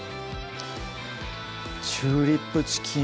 「チューリップチキン」